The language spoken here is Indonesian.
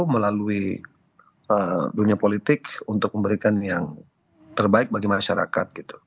melalui dunia politik untuk memberikan yang terbaik bagi masyarakat